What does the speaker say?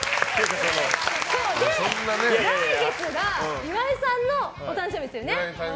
来月が岩井さんのお誕生日ですよね。